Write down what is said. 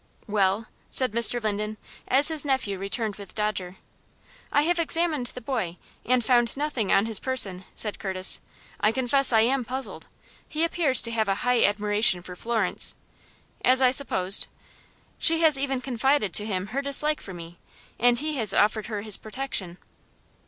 "Well," said Mr. Linden, as his nephew returned with Dodger. "I have examined the boy, and found nothing on his person," said Curtis; "I confess I am puzzled. He appears to have a high admiration for Florence " "As I supposed." "She has even confided to him her dislike for me, and he has offered her his protection."